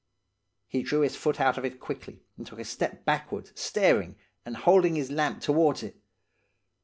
"He drew his foot out of it quickly, and took a step backward, staring, and holding his lamp towards it.